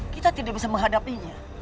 kita tidak bisa menghadapinya